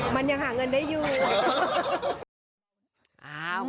มันยังหาเงินได้อยู่